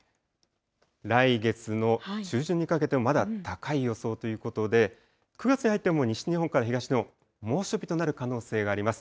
来月の中旬にかけてもまだ高い予想ということで、９月に入っても東日本、猛暑日となる可能性があります。